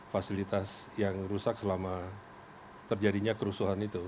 fasilitas yang rusak selama terjadinya kerusuhan itu